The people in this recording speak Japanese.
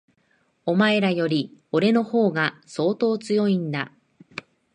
お前らより、俺の方が相当強いんだ。